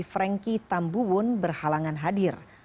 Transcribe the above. franky tambuun berhalangan hadir